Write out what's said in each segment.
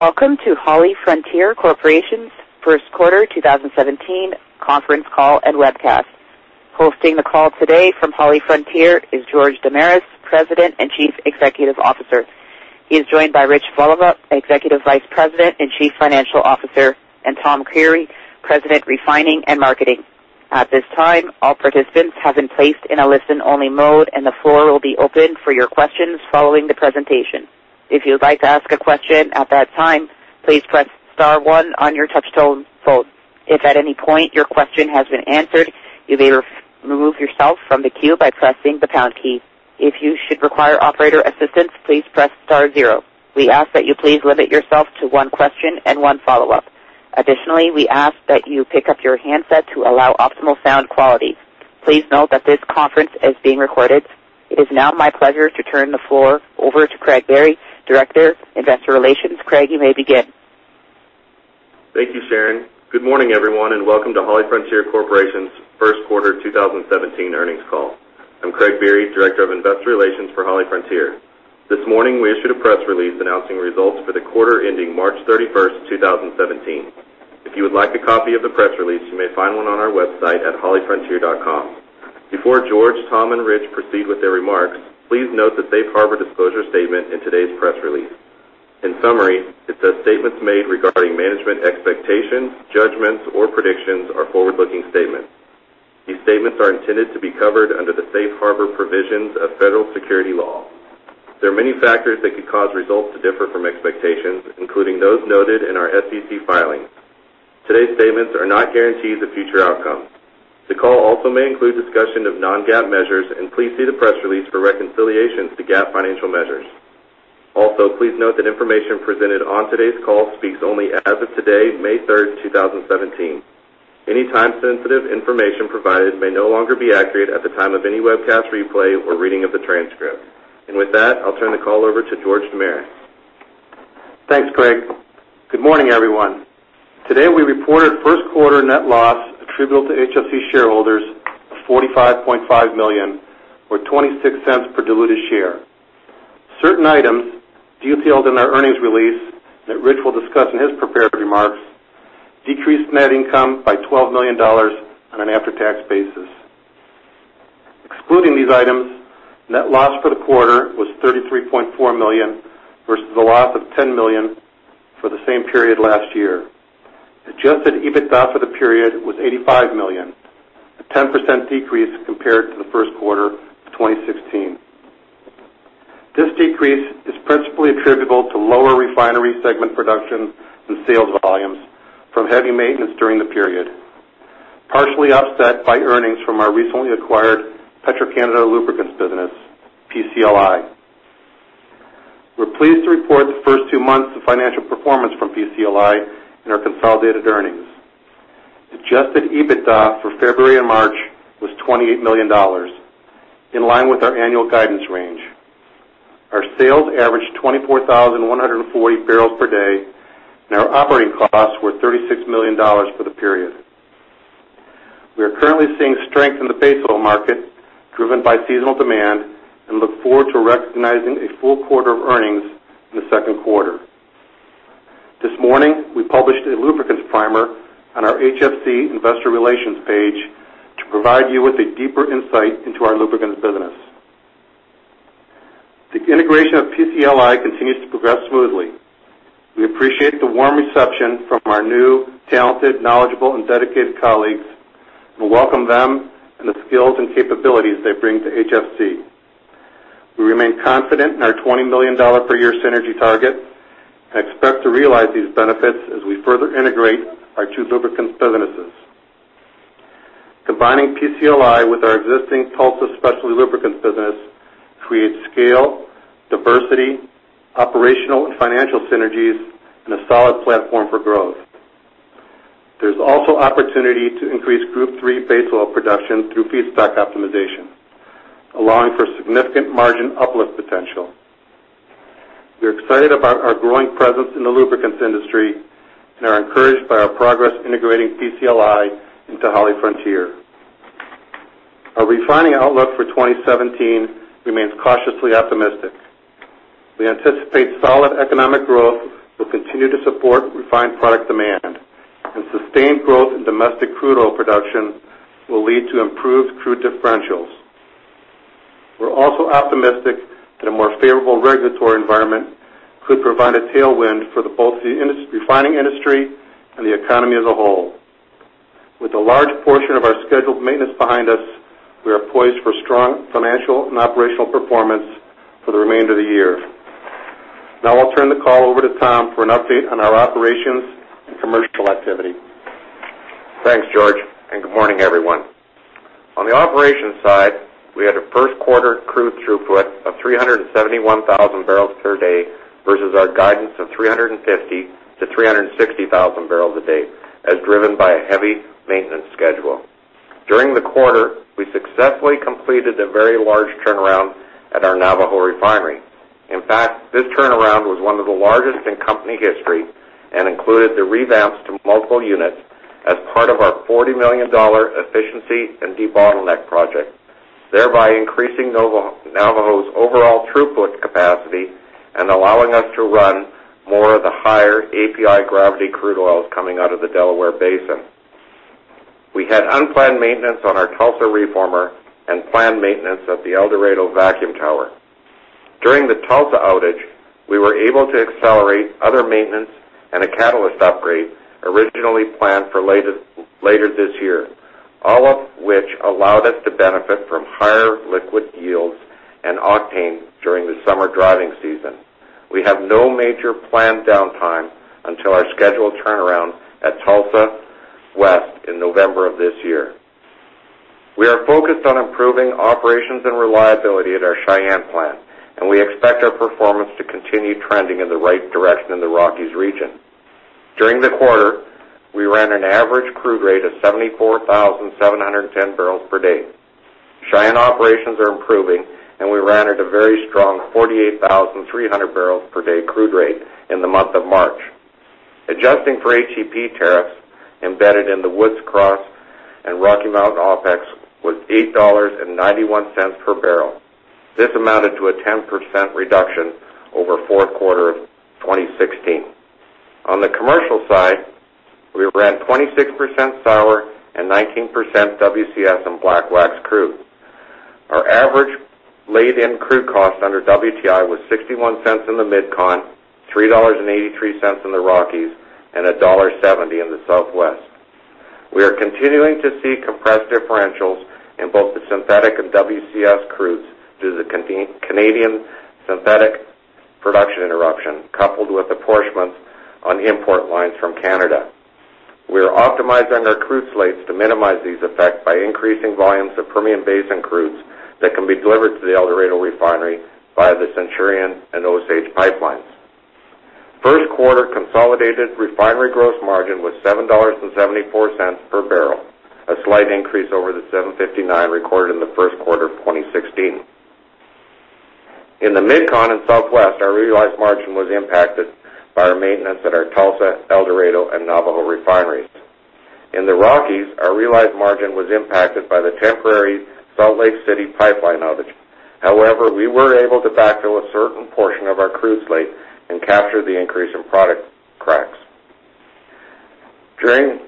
Welcome to HollyFrontier Corporation's first quarter 2017 conference call and webcast. Hosting the call today from HollyFrontier is George Damiris, President and Chief Executive Officer. He is joined by Richard Voliva, Executive Vice President and Chief Financial Officer, and Thomas Creery, President, Refining and Marketing. At this time, all participants have been placed in a listen-only mode, and the floor will be open for your questions following the presentation. If you would like to ask a question at that time, please press star one on your touchtone phone. If at any point your question has been answered, you may remove yourself from the queue by pressing the pound key. If you should require operator assistance, please press star zero. We ask that you please limit yourself to one question and one follow-up. Additionally, we ask that you pick up your handset to allow optimal sound quality. Please note that this conference is being recorded. It is now my pleasure to turn the floor over to Craig Biery, Director, Investor Relations. Craig, you may begin. Thank you, Sharon. Good morning, everyone, and welcome to HollyFrontier Corporation's first quarter 2017 earnings call. I'm Craig Biery, Director of Investor Relations for HollyFrontier. This morning, we issued a press release announcing results for the quarter ending March 31st, 2017. If you would like a copy of the press release, you may find one on our website at hollyfrontier.com. Before George, Tom, and Rich proceed with their remarks, please note the safe harbor disclosure statement in today's press release. In summary, it says statements made regarding management expectations, judgments, or predictions are forward-looking statements. These statements are intended to be covered under the safe harbor provisions of federal security law. There are many factors that could cause results to differ from expectations, including those noted in our SEC filings. Today's statements are not guarantees of future outcomes. The call also may include discussion of non-GAAP measures, and please see the press release for reconciliations to GAAP financial measures. Also, please note that information presented on today's call speaks only as of today, May 3rd, 2017. Any time-sensitive information provided may no longer be accurate at the time of any webcast replay or reading of the transcript. With that, I'll turn the call over to George Damiris. Thanks, Craig. Good morning, everyone. Today, we reported first quarter net loss attributable to HFC shareholders of $45.5 million or $0.26 per diluted share. Certain items detailed in our earnings release that Rich will discuss in his prepared remarks decreased net income by $12 million on an after-tax basis. Excluding these items, net loss for the quarter was $33.4 million versus a loss of $10 million for the same period last year. Adjusted EBITDA for the period was $85 million, a 10% decrease compared to the first quarter of 2016. This decrease is principally attributable to lower refinery segment production and sales volumes from heavy maintenance during the period, partially offset by earnings from our recently acquired Petro-Canada Lubricants business, PCLI. We're pleased to report the first two months of financial performance from PCLI in our consolidated earnings. Adjusted EBITDA for February and March was $28 million, in line with our annual guidance range. Our sales averaged 24,140 barrels per day, and our operating costs were $36 million for the period. We are currently seeing strength in the base oil market driven by seasonal demand and look forward to recognizing a full quarter of earnings in the second quarter. This morning, we published a lubricants primer on our HFC investor relations page to provide you with a deeper insight into our lubricants business. The integration of PCLI continues to progress smoothly. We appreciate the warm reception from our new, talented, knowledgeable, and dedicated colleagues and welcome them and the skills and capabilities they bring to HFC. We remain confident in our $20 million per year synergy target and expect to realize these benefits as we further integrate our two lubricants businesses. Combining PCLI with our existing Tulsa specialty lubricants business creates scale, diversity, operational and financial synergies, and a solid platform for growth. There's also opportunity to increase Group III base oil production through feedstock optimization, allowing for significant margin uplift potential. We're excited about our growing presence in the lubricants industry and are encouraged by our progress integrating PCLI into HollyFrontier. Our refining outlook for 2017 remains cautiously optimistic. We anticipate solid economic growth will continue to support refined product demand, and sustained growth in domestic crude oil production will lead to improved crude differentials. We're also optimistic that a more favorable regulatory environment could provide a tailwind for both the refining industry and the economy as a whole. With a large portion of our scheduled maintenance behind us, we are poised for strong financial and operational performance for the remainder of the year. Now I'll turn the call over to Tom for an update on our operations and commercial activity. Thanks, George, and good morning, everyone. On the operations side, we had a first quarter crude throughput of 371,000 barrels per day versus our guidance of 350-360,000 barrels a day as driven by a heavy maintenance schedule. During the quarter, we successfully completed a very large turnaround at our Navajo refinery. In fact, this turnaround was one of the largest in company history and included the revamps to multiple units as part of our $40 million efficiency and debottleneck project Thereby increasing Navajo's overall throughput capacity and allowing us to run more of the higher API gravity crude oils coming out of the Delaware Basin. We had unplanned maintenance on our Tulsa reformer and planned maintenance at the El Dorado vacuum tower. During the Tulsa outage, we were able to accelerate other maintenance and a catalyst upgrade originally planned for later this year, all of which allowed us to benefit from higher liquid yields and octane during the summer driving season. We have no major planned downtime until our scheduled turnaround at Tulsa West in November of this year. We are focused on improving operations and reliability at our Cheyenne plant, and we expect our performance to continue trending in the right direction in the Rockies region. During the quarter, we ran an average crude rate of 74,710 barrels per day. Cheyenne operations are improving, and we ran at a very strong 48,300 barrels per day crude rate in the month of March. Adjusting for HEP tariffs embedded in the Woods Cross and Rocky Mountain OPEX was $8.91 per barrel. This amounted to a 10% reduction over fourth quarter of 2016. On the commercial side, we ran 26% sour and 19% WCS and black wax crude. Our average laid-in crude cost under WTI was $0.61 in the MidCon, $3.83 in the Rockies, and $1.70 in the Southwest. We are continuing to see compressed differentials in both the synthetic and WCS crudes due to the Canadian synthetic production interruption, coupled with apportionments on import lines from Canada. We are optimizing our crude slates to minimize these effects by increasing volumes of Permian Basin crudes that can be delivered to the El Dorado refinery via the Centurion and Osage pipelines. First quarter consolidated refinery gross margin was $7.74 per barrel, a slight increase over the $7.59 recorded in the first quarter of 2016. In the MidCon and Southwest, our realized margin was impacted by our maintenance at our Tulsa, El Dorado, and Navajo refineries. In the Rockies, our realized margin was impacted by the temporary Salt Lake City pipeline outage. However, we were able to backfill a certain portion of our crude slate and capture the increase in product cracks. During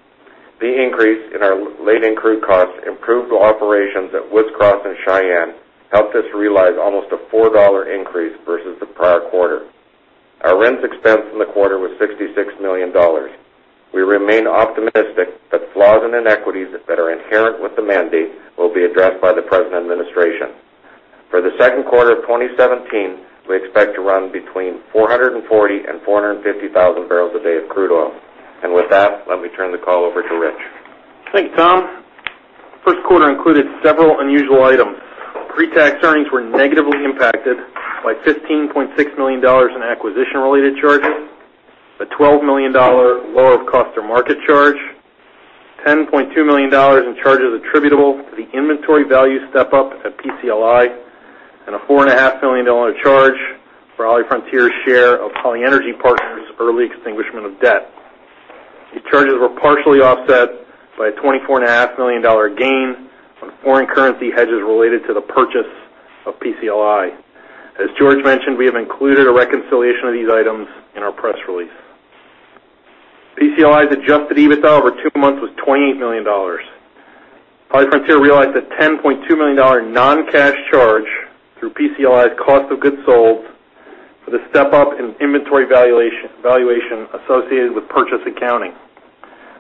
the increase in our laid-in crude costs, improved operations at Woods Cross and Cheyenne helped us realize almost a $4 increase versus the prior quarter. Our RINs expense in the quarter was $66 million. We remain optimistic that flaws and inequities that are inherent with the mandate will be addressed by the present administration. For the second quarter of 2017, we expect to run between 440,000 and 450,000 barrels a day of crude oil. With that, let me turn the call over to Rich. Thanks, Tom. First quarter included several unusual items. Pre-tax earnings were negatively impacted by $15.6 million in acquisition-related charges, a $12 million lower cost or market charge, $10.2 million in charges attributable to the inventory value step-up at PCLI, and a $4.5 million charge for HollyFrontier's share of Holly Energy Partners' early extinguishment of debt. These charges were partially offset by a $24.5 million gain on foreign currency hedges related to the purchase of PCLI. As George mentioned, we have included a reconciliation of these items in our press release. PCLI's adjusted EBITDA over two months was $28 million. HollyFrontier realized a $10.2 million non-cash charge through PCLI's cost of goods sold for the step-up in inventory valuation associated with purchase accounting.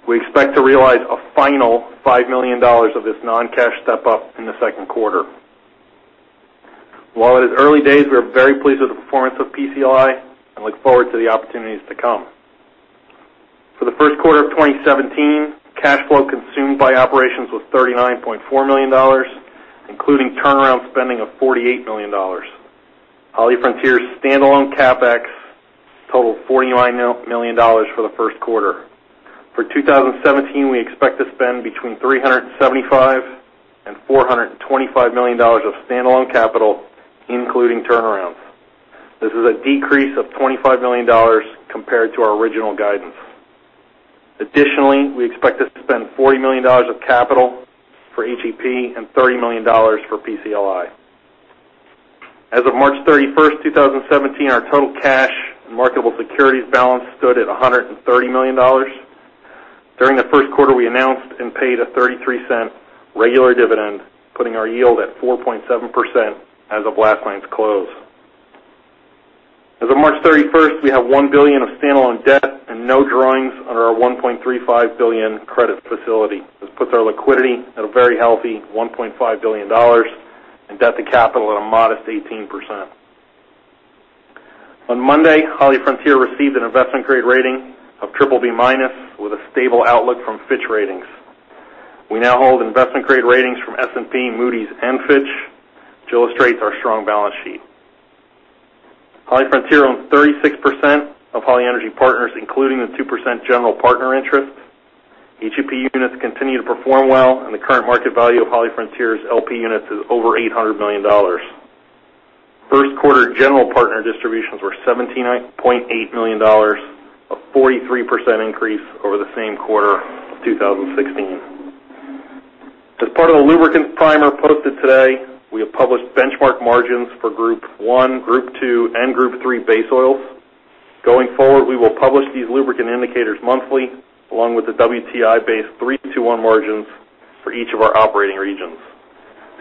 We expect to realize a final $5 million of this non-cash step-up in the second quarter. While it is early days, we are very pleased with the performance of PCLI and look forward to the opportunities to come. For the first quarter of 2017, cash flow consumed by operations was $39.4 million, including turnaround spending of $48 million. HollyFrontier's standalone CapEx totaled $49 million for the first quarter. For 2017, we expect to spend between $375 million and $425 million of standalone capital, including turnarounds. This is a decrease of $25 million compared to our original guidance. Additionally, we expect to spend $40 million of capital for HEP and $30 million for PCLI. As of March 31st, 2017, our total cash and marketable securities balance stood at $130 million. During the first quarter, we announced and paid a $0.33 regular dividend, putting our yield at 4.7% as of last night's close. As of March 31st, we have $1 billion of standalone debt and no drawings under our $1.35 billion credit facility. This puts our liquidity at a very healthy $1.5 billion and debt to capital at a modest 18%. On Monday, HollyFrontier received an investment-grade rating of BBB- with a stable outlook from Fitch Ratings. We now hold investment-grade ratings from S&P, Moody's, and Fitch, which illustrates our strong balance sheet. HollyFrontier owns 36% of Holly Energy Partners, including the 2% general partner interest. HEP units continue to perform well, and the current market value of HollyFrontier's LP units is over $800 million. First quarter general partner distributions were $17.8 million, a 43% increase over the same quarter of 2016. As part of the lubricant primer posted today, we have published benchmark margins for Group I, Group II, and Group III base oils. Going forward, we will publish these lubricant indicators monthly, along with the WTI-based 3-2-1 margins for each of our operating regions.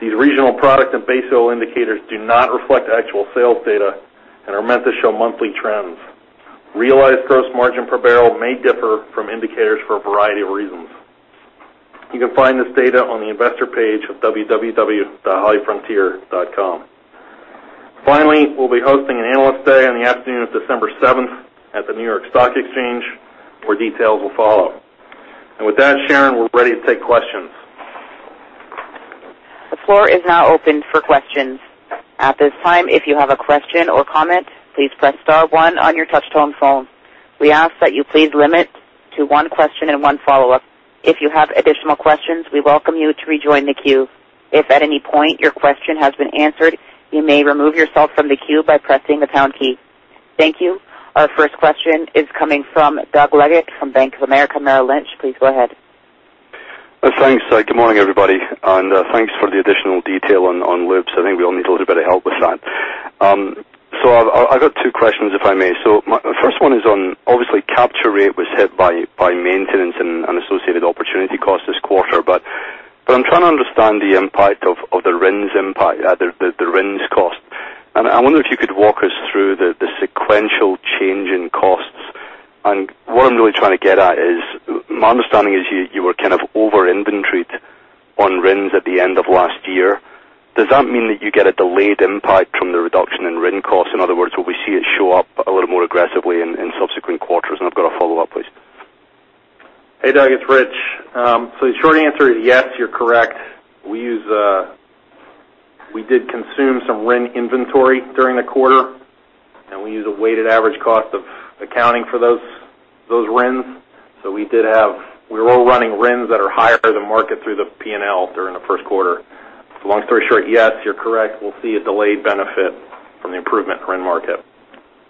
These regional product and base oil indicators do not reflect actual sales data and are meant to show monthly trends. Realized gross margin per barrel may differ from indicators for a variety of reasons. You can find this data on the investor page at www.hollyfrontier.com. Finally, we'll be hosting an Analyst Day on the afternoon of December 7th at the New York Stock Exchange, where details will follow. With that, Sharon, we're ready to take questions. The floor is now open for questions. At this time, if you have a question or comment, please press star one on your touch-tone phone. We ask that you please limit to one question and one follow-up. If you have additional questions, we welcome you to rejoin the queue. If at any point your question has been answered, you may remove yourself from the queue by pressing the pound key. Thank you. Our first question is coming from Doug Leggate from Bank of America Merrill Lynch. Please go ahead. Thanks. Good morning, everybody, and thanks for the additional detail on lubes. I think we all need a little bit of help with that. I've got two questions, if I may. My first one is on, obviously, capture rate was hit by maintenance and associated opportunity cost this quarter. But I'm trying to understand the impact of the RINs impact, the RINs cost. I wonder if you could walk us through the sequential change in costs. What I'm really trying to get at is, my understanding is you were kind of over-inventoried on RINs at the end of last year. Does that mean that you get a delayed impact from the reduction in RIN costs? In other words, will we see it show up a little more aggressively in subsequent quarters? I've got a follow-up, please. Hey, Doug. It's Rich. The short answer is yes, you're correct. We did consume some RIN inventory during the quarter, and we use a weighted average cost of accounting for those RINs. We were all running RINs that are higher than market through the P&L during the first quarter. Long story short, yes, you're correct. We'll see a delayed benefit from the improvement RIN market.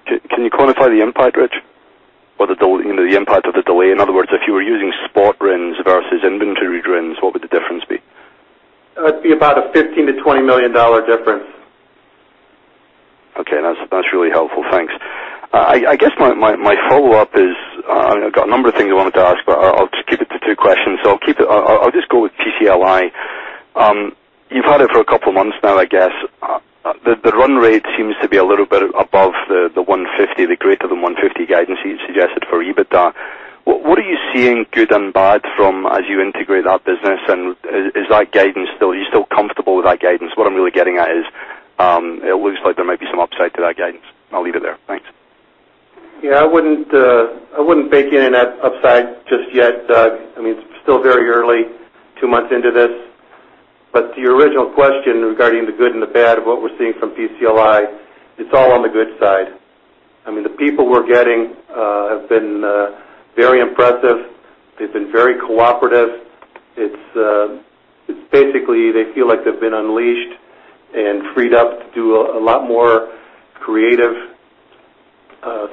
Can you quantify the impact, Rich? Or the impact of the delay. In other words, if you were using spot RINs versus inventoried RINs, what would the difference be? That'd be about a $15 million-$20 million difference. Okay. That's really helpful. Thanks. I guess my follow-up is, I've got a number of things I wanted to ask, but I'll just keep it to two questions. I'll just go with PCLI. You've had it for a couple of months now, I guess. The run rate seems to be a little bit above the $150, the greater than $150 guidance you suggested for EBITDA. What are you seeing good and bad from as you integrate that business? Are you still comfortable with that guidance? What I'm really getting at is, it looks like there might be some upside to that guidance. I'll leave it there. Thanks. Yeah, I wouldn't bake in that upside just yet, Doug. It's still very early, two months into this. To your original question regarding the good and the bad of what we're seeing from PCLI, it's all on the good side. The people we're getting have been very impressive. They've been very cooperative. It's basically, they feel like they've been unleashed and freed up to do a lot more creative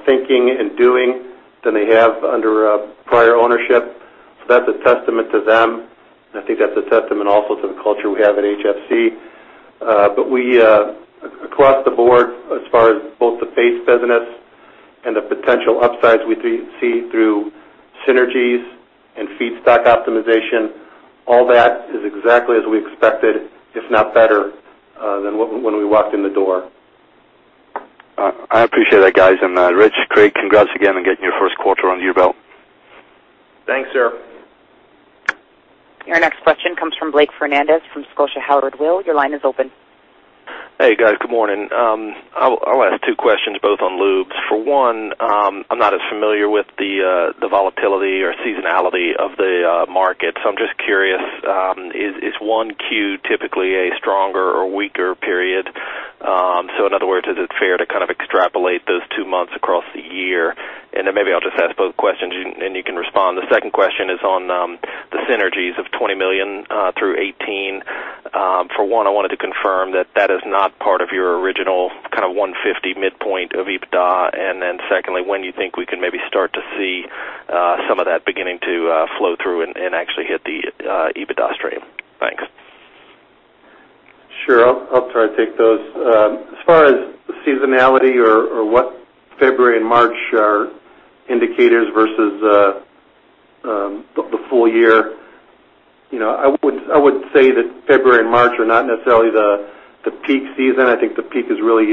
thinking and doing than they have under prior ownership. That's a testament to them, and I think that's a testament also to the culture we have at HFC. Across the board, as far as both the base business and the potential upsides we see through synergies and feedstock optimization, all that is exactly as we expected, if not better, than when we walked in the door. I appreciate that, guys. Rich, Craig, congrats again on getting your first quarter under your belt. Thanks, sir. Your next question comes from Blake Fernandez from Scotia Howard Weil. Your line is open. Hey, guys. Good morning. I'll ask two questions, both on lubes. For one, I'm not as familiar with the volatility or seasonality of the market. I'm just curious, is 1Q typically a stronger or weaker period? In other words, is it fair to kind of extrapolate those two months across the year? Maybe I'll just ask both questions, and you can respond. The second question is on the synergies of $20 million through 2018. For one, I wanted to confirm that that is not part of your original $150 midpoint of EBITDA. Secondly, when you think we can maybe start to see some of that beginning to flow through and actually hit the EBITDA stream. Thanks. Sure. I'll try to take those. As far as the seasonality or what February and March are indicators versus the full year, I would say that February and March are not necessarily the peak season. I think the peak is really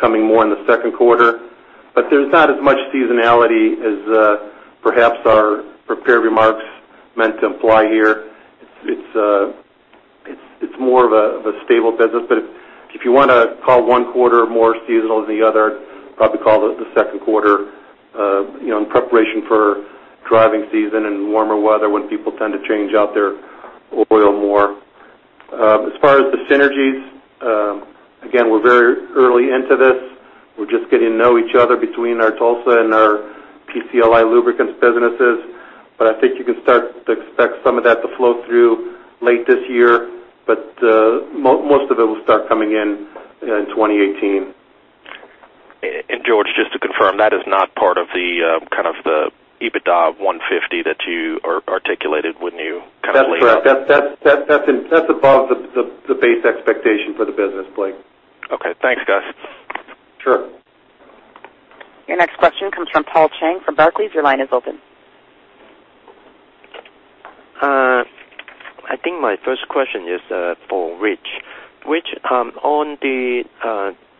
coming more in the second quarter. There's not as much seasonality as perhaps our prepared remarks meant to imply here. It's more of a stable business. If you want to call one quarter more seasonal than the other, probably call it the second quarter, in preparation for driving season and warmer weather when people tend to change out their oil more. As far as the synergies, again, we're very early into this. We're just getting to know each other between our Tulsa and our PCLI lubricants businesses. I think you can start to expect some of that to flow through late this year. Most of it will start coming in in 2018. George, just to confirm, that is not part of the EBITDA 150 that you articulated when you kind of laid it out? That's right. That's above the base expectation for the business, Blake. Okay. Thanks, guys. Sure. Your next question comes from Paul Cheng from Barclays. Your line is open. I think my first question is for Rich. Rich, on the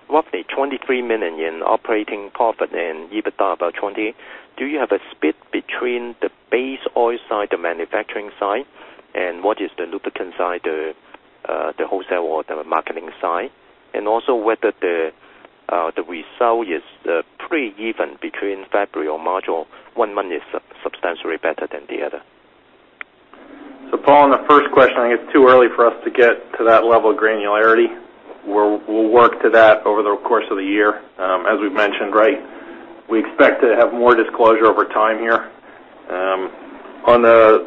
roughly $23 million operating profit and EBITDA about $20, do you have a split between the base oil side, the manufacturing side, and what is the lubricant side, the wholesale or the marketing side? Also whether the result is pretty even between February or March, or one month is substantially better than the other. Paul, on the first question, I think it's too early for us to get to that level of granularity. We'll work to that over the course of the year. As we've mentioned, we expect to have more disclosure over time here. On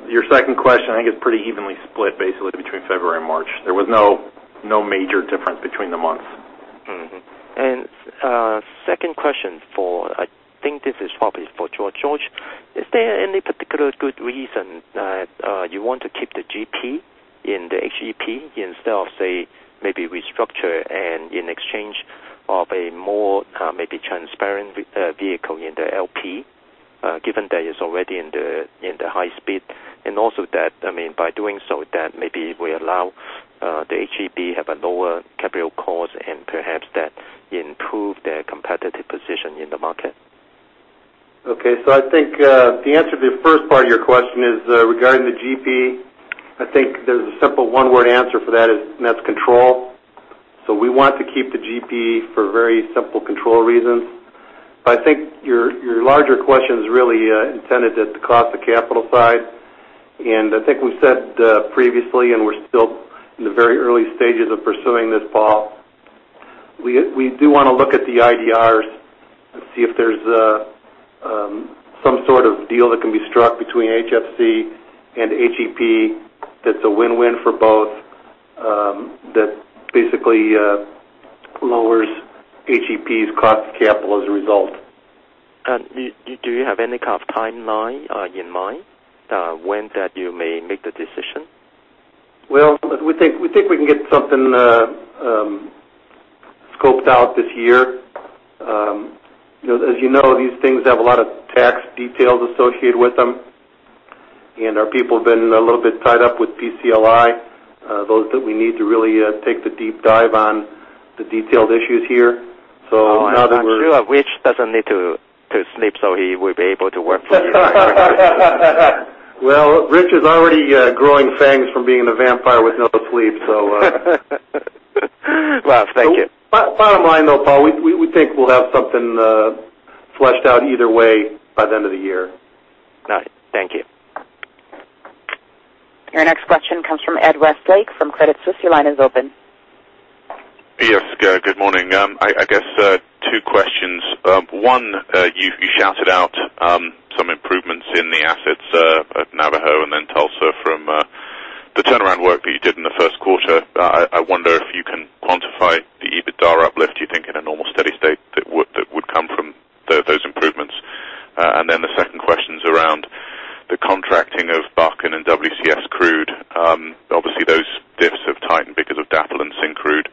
your second question, I think it's pretty evenly split, basically, between February and March. There was no major difference between the months. Second question for, I think this is probably for George. George, is there any particular good reason that you want to keep the GP in the HEP instead of, say, maybe restructure and in exchange of a more maybe transparent vehicle in the LP, given that it's already in the high yield? Also, by doing so, that maybe we allow the HEP have a lower capital cost and perhaps that improve their competitive position in the market? Okay. I think the answer to the first part of your question is regarding the GP. There's a simple one-word answer for that, and that's control. We want to keep the GP for very simple control reasons. I think your larger question is really intended at the cost of capital side. I think we've said previously, and we're still in the very early stages of pursuing this, Paul. We do want to look at the IDRs and see if there's some sort of deal that can be struck between HFC and HEP that's a win-win for both that basically lowers HEP's cost of capital as a result. Do you have any kind of timeline in mind when you may make the decision? We think we can get something scoped out this year. As you know, these things have a lot of tax details associated with them, and our people have been a little bit tied up with PCLI. Those are the ones that we need to really take the deep dive on the detailed issues here. I'm sure Rich doesn't need to sleep, he will be able to work for you. Rich is already growing fangs from being a vampire with no sleep. Thank you. Bottom line, though, Paul, we think we'll have something fleshed out either way by the end of the year. All right. Thank you. Your next question comes from Ed Westlake from Credit Suisse. Your line is open. Yes, good morning. I guess two questions. One, you shouted out some improvements in the assets at Navajo and then Tulsa from the turnaround work that you did in the first quarter. I wonder if you can quantify the EBITDA uplift you think in a normal steady state that would come from those improvements. The second question's around the contracting of Bakken and WCS crude. Obviously, those diffs have tightened because of DAPL and Syncrude.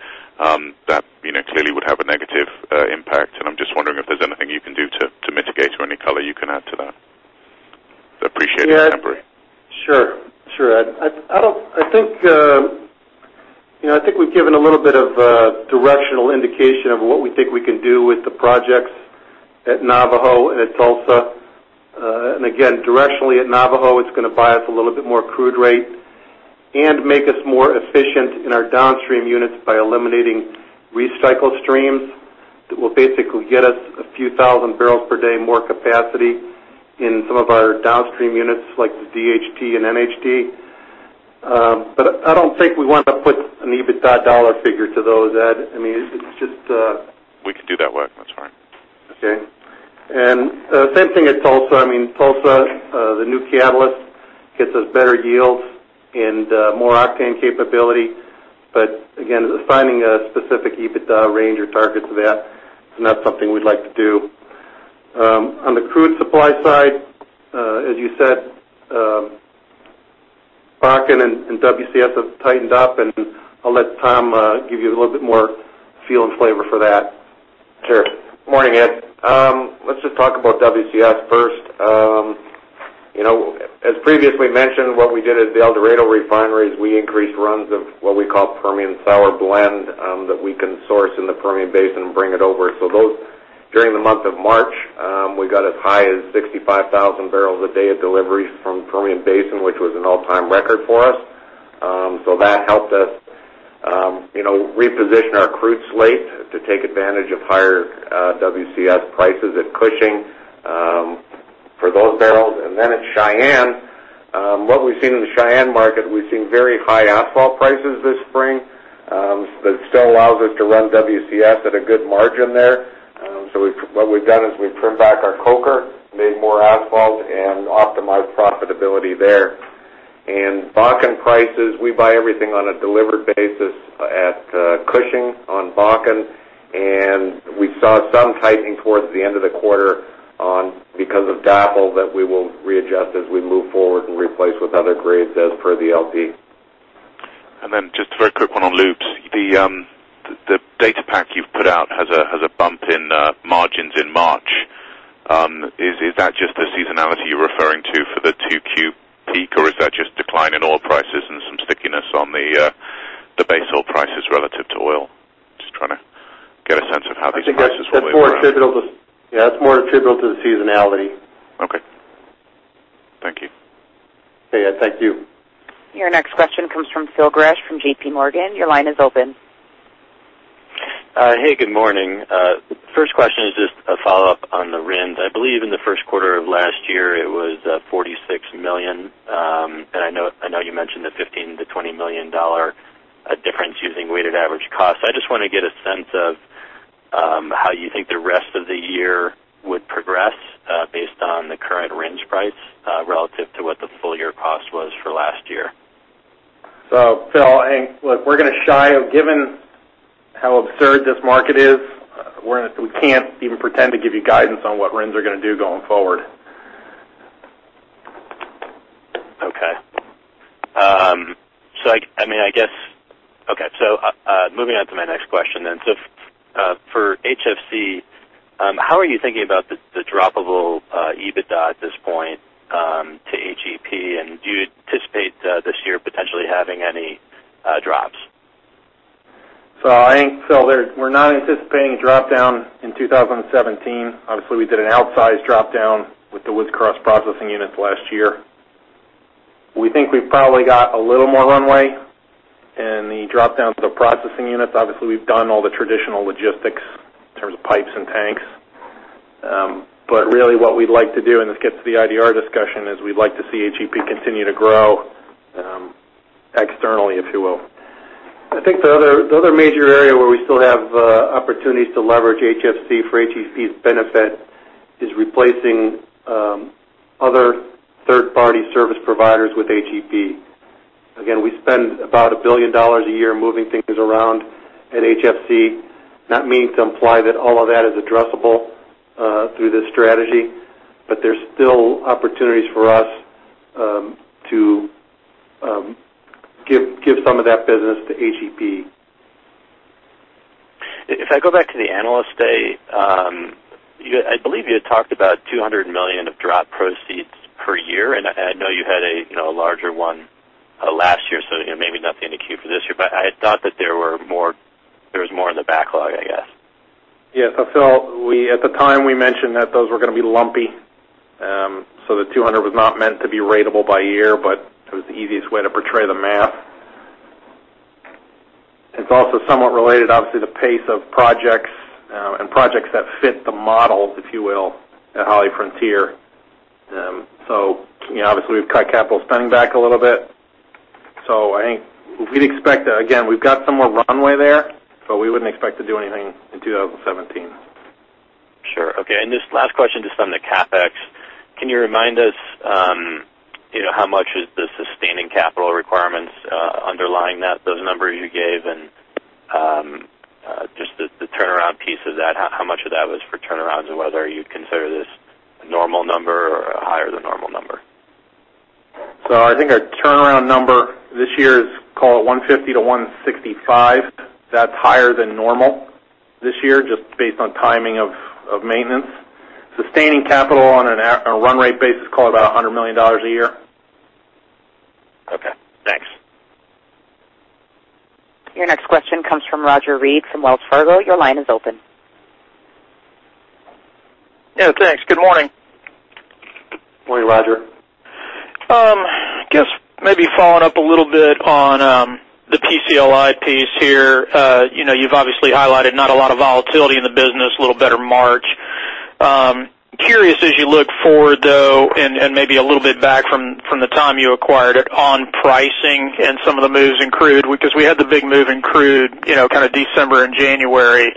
That clearly would have a negative impact. I'm just wondering if there's anything you can do to mitigate or any color you can add to that. Appreciate any temporary. Sure, Ed. I think we've given a little bit of a directional indication of what we think we can do with the projects at Navajo and at Tulsa. Again, directionally at Navajo, it's going to buy us a little bit more crude rate and make us more efficient in our downstream units by eliminating recycle streams that will basically get us a few thousand barrels per day more capacity in some of our downstream units like the DHT and NHT. I don't think we want to put an EBITDA dollar figure to those, Ed. I mean, We can do that work. That's fine. Okay. Same thing at Tulsa. Tulsa, the new catalyst gets us better yields and more octane capability. Again, assigning a specific EBITDA range or target to that is not something we'd like to do. On the crude supply side, as you said, Bakken and WCS have tightened up. I'll let Tom give you a little bit more feel and flavor for that. Sure. Morning, Ed. Let's just talk about WCS first. As previously mentioned, what we did at the El Dorado refineries, we increased runs of what we call Permian sour blend that we can source in the Permian Basin and bring it over. Those, during the month of March, we got as high as 65,000 barrels a day of deliveries from Permian Basin, which was an all-time record for us. Then at Cheyenne What we've seen in the Cheyenne market, we've seen very high asphalt prices this spring, that still allows us to run WCS at a good margin there. What we've done is we've trimmed back our coker, made more asphalt, and optimized profitability there. Bakken prices, we buy everything on a delivered basis at Cushing on Bakken. We saw some tightening towards the end of the quarter because of DAPL that we will readjust as we move forward and replace with other grades as per the LP. Just a very quick one on lubes. The data pack you've put out has a bump in margins in March. Is that just the seasonality you're referring to for the 2Q peak, or is that just decline in oil prices and some stickiness on the base oil prices relative to oil? Just trying to get a sense of how these prices will move around. I think that's more attributable to the seasonality. Okay. Thank you. Okay. Thank you. Your next question comes from Phil Gresh from J.P. Morgan. Your line is open. Hey, good morning. First question is just a follow-up on the RINs. I believe in the first quarter of last year, it was $46 million, and I know you mentioned the $15 million-$20 million difference using weighted average cost. I just want to get a sense of how you think the rest of the year would progress based on the current RINs price relative to what the full year cost was for last year. Phil, look, we're going to shy. Given how absurd this market is, we can't even pretend to give you guidance on what RINs are going to do going forward. Okay. Moving on to my next question then. For HFC, how are you thinking about the droppable EBITDA at this point to HEP, and do you anticipate this year potentially having any drops? I think, Phil, we're not anticipating a drop-down in 2017. Obviously, we did an outsized drop-down with the Woods Cross processing units last year. We think we've probably got a little more runway in the drop-downs of processing units. Obviously, we've done all the traditional logistics in terms of pipes and tanks. Really what we'd like to do, and this gets to the IDR discussion, is we'd like to see HEP continue to grow externally, if you will. I think the other major area where we still have opportunities to leverage HFC for HEP's benefit is replacing other third-party service providers with HEP. Again, we spend about $1 billion a year moving things around at HFC. Not meaning to imply that all of that is addressable through this strategy, but there's still opportunities for us to give some of that business to HEP. If I go back to the Analyst Day, I believe you had talked about $200 million of drop proceeds per year, and I know you had a larger one last year, so maybe nothing in the queue for this year, but I thought that there was more in the backlog, I guess. Yeah. Phil, at the time, we mentioned that those were going to be lumpy. The 200 was not meant to be ratable by year, but it was the easiest way to portray the math. It's also somewhat related, obviously, the pace of projects and projects that fit the model, if you will, at HollyFrontier. Obviously, we've cut capital spending back a little bit. I think we'd expect that. Again, we've got some more runway there, but we wouldn't expect to do anything in 2017. Sure. Okay. This last question, just on the CapEx. Can you remind us how much is the sustaining capital requirements underlying those numbers you gave, and just the turnaround piece of that, how much of that was for turnarounds, and whether you'd consider this a normal number or a higher than normal number? I think our turnaround number this year is, call it $150-$165. That's higher than normal this year, just based on timing of maintenance. Sustaining capital on a run rate basis, call it about $100 million a year. Okay, thanks. Your next question comes from Roger Read from Wells Fargo. Your line is open. Yeah, thanks. Good morning. Morning, Roger. Maybe following up a little bit on the PCLI piece here. You've obviously highlighted not a lot of volatility in the business, a little better March. Curious as you look forward, though, and maybe a little bit back from the time you acquired it on pricing and some of the moves in crude, because we had the big move in crude December and January.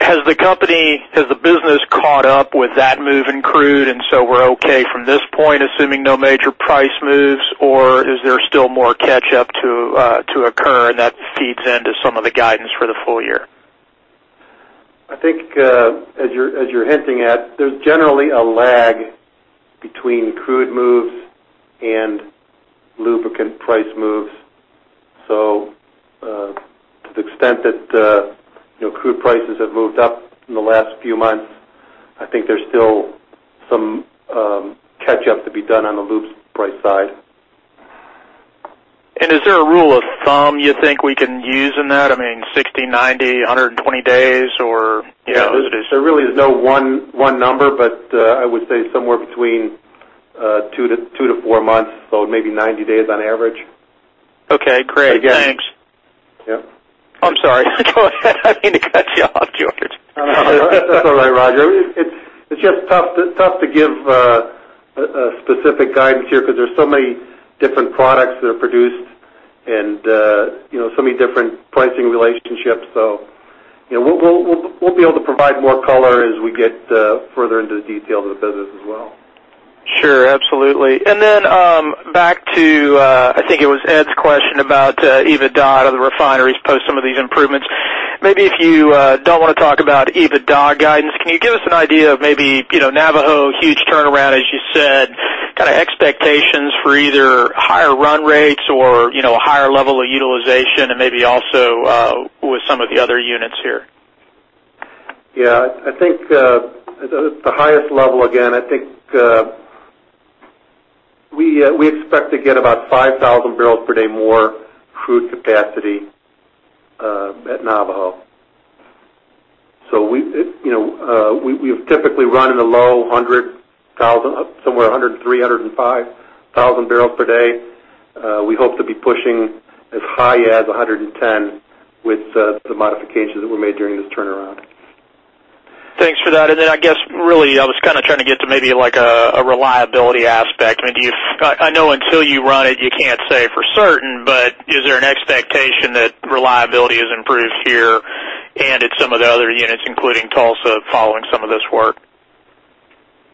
Has the business caught up with that move in crude, and so we're okay from this point, assuming no major price moves, or is there still more catch up to occur and that feeds into some of the guidance for the full year? I think as you're hinting at, there's generally a lag between crude moves and lubricant price moves. To the extent that crude prices have moved up in the last few months, I think there's still some catch up to be done on the lubes price side. Is there a rule of thumb you think we can use in that? I mean, 60, 90, 120 days, or There really is no one number, but I would say somewhere between two to four months, so maybe 90 days on average. Okay, great. Thanks. Yep. I'm sorry. Go ahead. I didn't mean to cut you off. That's all right, Roger. It's just tough to give a specific guidance here because there's so many different products that are produced and so many different pricing relationships. We'll be able to provide more color as we get further into the details of the business as well. Sure. Absolutely. Back to, I think it was Ed's question about EBITDA out of the refineries post some of these improvements. Maybe if you don't want to talk about EBITDA guidance, can you give us an idea of maybe Navajo, huge turnaround, as you said, expectations for either higher run rates or a higher level of utilization and maybe also with some of the other units here? Yeah. At the highest level, again, I think we expect to get about 5,000 barrels per day more crude capacity at Navajo. We've typically run in the low 100,000, somewhere 103,000, 105,000 barrels per day. We hope to be pushing as high as 110,000 with the modifications that were made during this turnaround. Thanks for that. I guess really, I was trying to get to maybe a reliability aspect. I know until you run it, you can't say for certain, but is there an expectation that reliability is improved here and at some of the other units, including Tulsa, following some of this work?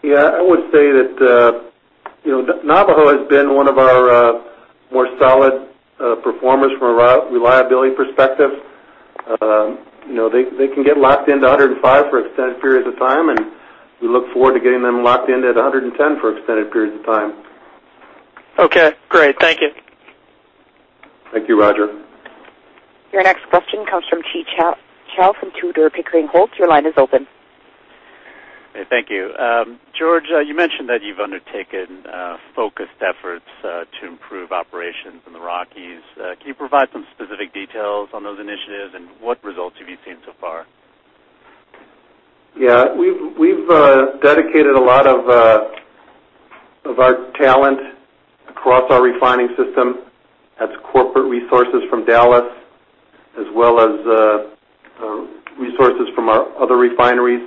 Yeah, I would say that Navajo has been one of our more solid performers from a reliability perspective. They can get locked into 105,000 for extended periods of time, and we look forward to getting them locked in at 110,000 for extended periods of time. Okay, great. Thank you. Thank you, Roger. Your next question comes from Chi Chow from Tudor, Pickering, Holt. Your line is open. Thank you. George, you mentioned that you've undertaken focused efforts to improve operations in the Rockies. Can you provide some specific details on those initiatives and what results have you seen so far? We've dedicated a lot of our talent across our refining system. That's corporate resources from Dallas, as well as resources from our other refineries,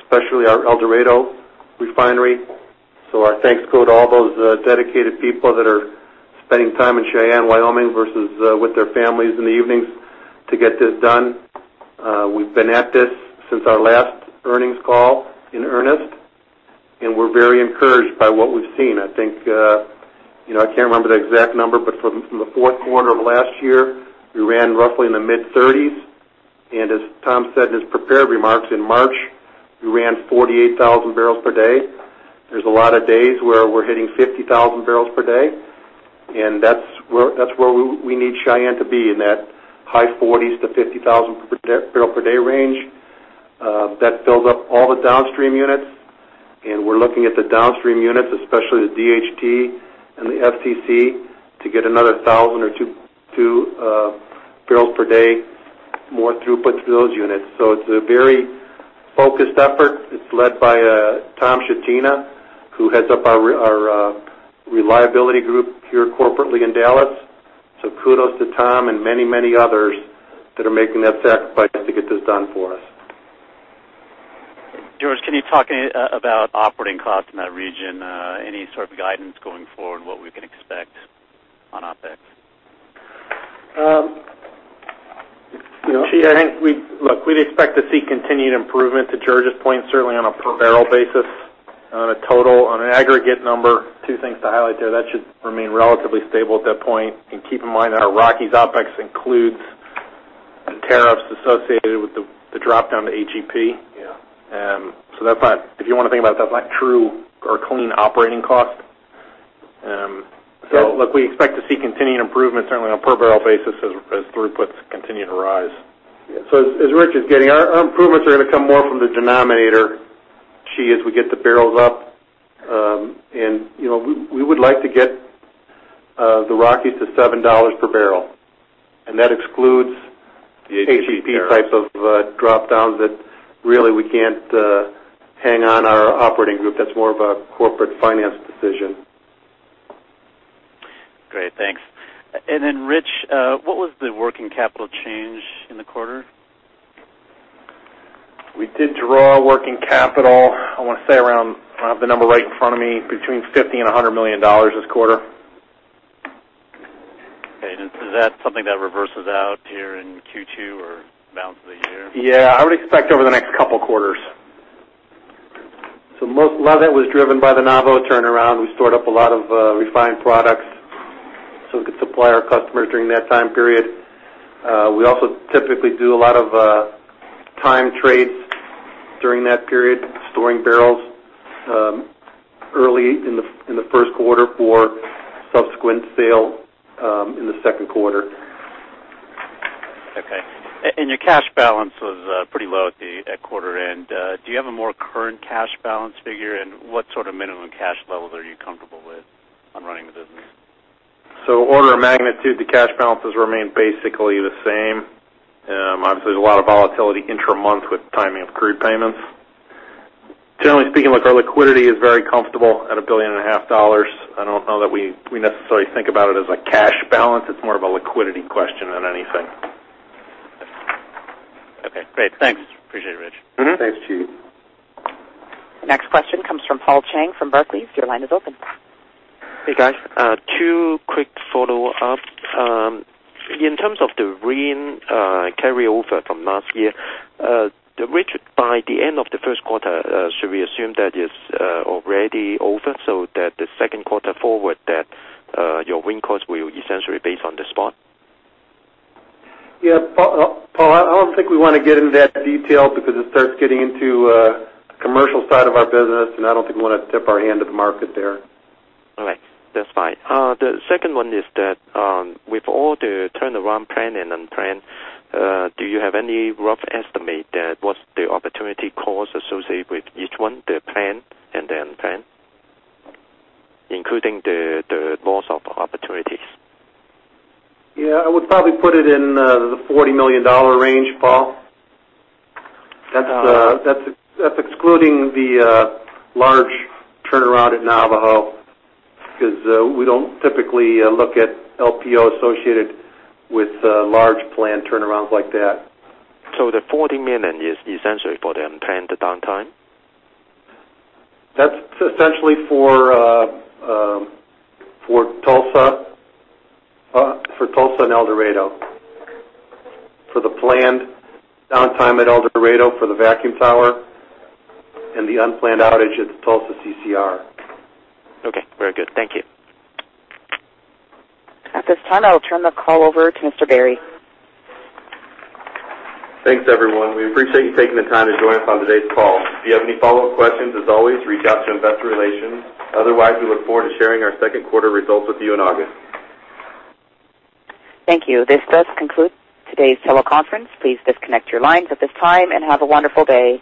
especially our El Dorado refinery. Our thanks go to all those dedicated people that are spending time in Cheyenne, Wyoming versus with their families in the evenings to get this done. We've been at this since our last earnings call in earnest, and we're very encouraged by what we've seen. I can't remember the exact number, but from the fourth quarter of last year, we ran roughly in the mid-30s, and as Tom said in his prepared remarks in March, we ran 48,000 barrels per day. There's a lot of days where we're hitting 50,000 barrels per day, and that's where we need Cheyenne to be in that high 40s to 50,000 barrel per day range. That builds up all the downstream units. We're looking at the downstream units, especially the DHT and the FCC, to get another 1,000 or 2,000 barrels per day more throughput to those units. It's a very focused effort. It's led by Tom Shinogle, who heads up our reliability group here corporately in Dallas. Kudos to Tom and many others that are making that sacrifice to get this done for us. George, can you talk about operating costs in that region? Any sort of guidance going forward, what we can expect on OPEX? Chi, I think we. Look, we'd expect to see continued improvement to George's point, certainly on a per barrel basis. On a total, on an aggregate number, two things to highlight there. That should remain relatively stable at that point. Keep in mind that our Rockies OpEx includes the tariffs associated with the drop-down to HEP. Yeah. If you want to think about it, that's not true or clean operating cost. Look, we expect to see continuing improvements certainly on a per barrel basis as throughputs continue to rise. As Rich is getting, our improvements are going to come more from the denominator, Chi, as we get the barrels up. We would like to get the Rockies to $7 per barrel, and that excludes- The HEP tariff HEP type of drop-downs that really we can't hang on our operating group. That's more of a corporate finance decision. Great. Thanks. Then Rich, what was the working capital change in the quarter? We did draw working capital, I want to say around, I don't have the number right in front of me, between $50 million and $100 million this quarter. Okay. Is that something that reverses out here in Q2 or balance of the year? Yeah. I would expect over the next couple quarters. Most of it was driven by the Navajo turnaround. We stored up a lot of refined products so we could supply our customers during that time period. We also typically do a lot of time trades during that period, storing barrels early in the first quarter for subsequent sale in the second quarter. Okay. Your cash balance was pretty low at quarter end. Do you have a more current cash balance figure? What sort of minimum cash levels are you comfortable with on running the business? Order of magnitude, the cash balances remain basically the same. Obviously, there's a lot of volatility intra-month with timing of crude payments. Generally speaking, look, our liquidity is very comfortable at a billion and a half dollars. I don't know that we necessarily think about it as a cash balance. It's more of a liquidity question than anything. Okay, great. Thanks. Appreciate it, Rich. Thanks to you. Next question comes from Paul Cheng from Barclays. Your line is open. Hey, guys. Two quick follow-ups. In terms of the RIN carryover from last year, Rich, by the end of the first quarter, should we assume that it's already over so that the second quarter forward that your RIN costs will be essentially based on the spot? Yeah, Paul, I don't think we want to get into that detail because it starts getting into the commercial side of our business, and I don't think we want to tip our hand to the market there. All right. That's fine. The second one is that with all the turnaround planned and unplanned, do you have any rough estimate that what's the opportunity cost associated with each one, the planned and the unplanned, including the loss of opportunities? Yeah. I would probably put it in the $40 million range, Paul. That's excluding the large turnaround at Navajo, because we don't typically look at LPO associated with large planned turnarounds like that. The $40 million is essentially for the unplanned downtime? That's essentially for Tulsa and El Dorado. For the planned downtime at El Dorado for the vacuum tower and the unplanned outage at the Tulsa CCR. Okay. Very good. Thank you. At this time, I'll turn the call over to Craig Biery. Thanks, everyone. We appreciate you taking the time to join us on today's call. If you have any follow-up questions, as always, reach out to investor relations. Otherwise, we look forward to sharing our second quarter results with you in August. Thank you. This does conclude today's teleconference. Please disconnect your lines at this time and have a wonderful day.